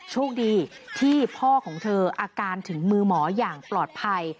โชคดีที่พ่อของเธออาการถึงมือหมออย่างปลอดภัย